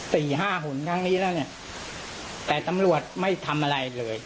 สี่ห้าหนครั้งนี้แล้วเนี่ยแต่ตำรวจไม่ทำอะไรเลย